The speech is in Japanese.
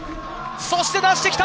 そして出してきた。